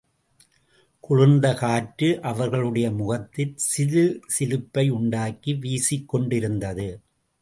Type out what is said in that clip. குளிர்ந்த காற்று அவர்களுடைய முகத்தில் சிலு சிலுப்பை உண்டாக்கி வீசிக்கொண்டிருந்தது.